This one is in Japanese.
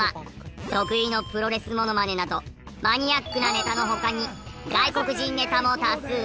得意のプロレスものまねなどマニアックなネタの他に外国人ネタも多数。